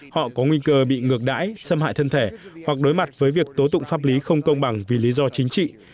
họ có nguy cơ bị ngược đãi xâm hại thân thể hoặc đối mặt với việc tố tụng pháp lý không công bằng vì lý do chính trị